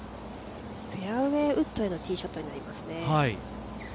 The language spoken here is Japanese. フェアウエーウッドでのティーショットになりますね。